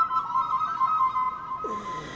うん